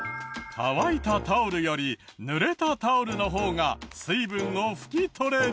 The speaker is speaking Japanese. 乾いたタオルより濡れたタオルの方が水分を拭き取れる。